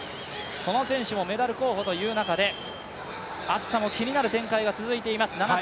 この選手もメダル候補という中で、暑さも気になる展開が続いています。